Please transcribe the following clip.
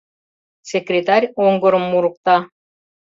Секретарь оҥгырым мурыкта.